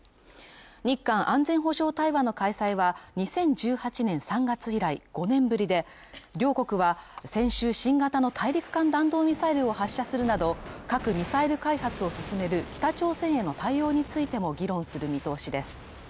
日韓安全保障対話の開催は２０１８年３月以来５年ぶりで両国は先週新型の大陸間弾道ミサイルを発射するなど、核・ミサイル開発を進める北朝鮮への対応についても議論する見通しです。